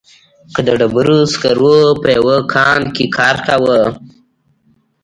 د ډبرو سکرو په یوه کان کې کار کاوه.